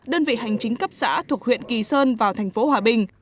đơn vị hành chính cấp xã thuộc huyện kỳ sơn vào thành phố hòa bình